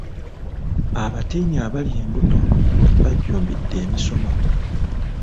Abatiini abali embuto bajjumbidde emisomo.